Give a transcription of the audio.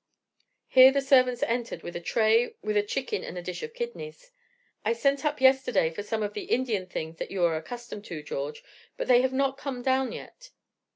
Here the servants entered with a tray with a chicken and a dish of kidneys. "I sent up yesterday for some of the Indian things that you are accustomed to, George, but they have not come down yet."